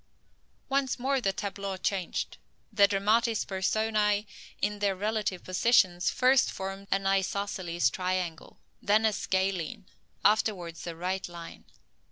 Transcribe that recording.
Once more the tableau changed. The dramatis persona in their relative positions first formed an isosceles triangle, then a scalene, afterwards a right line.